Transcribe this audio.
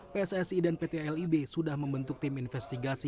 pssi dan pt lib sudah membentuk tim investigasi